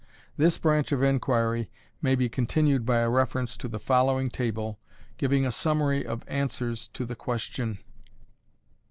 This branch of inquiry may be continued by a reference to the following table, giving a summary of answers to the _Question.